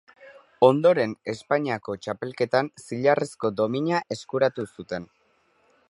Ondoren Espainiako txapelketan zilarrezko domina eskuratu zuten.